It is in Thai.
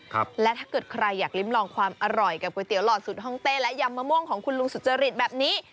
และถ้าเกิดใครอยากลิ้มลองความอร่อยกับก๋วยเตี๋หลอดสุดฮ่องเต้และยำมะม่วงของคุณลุงสุจริตแบบนี้